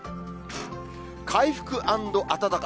回復＆暖か。